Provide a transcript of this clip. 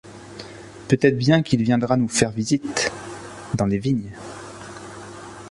Peut-être bien qu’il viendra nous faire visite, dans les vignes.